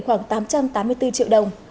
khoảng tám trăm tám mươi bốn triệu đồng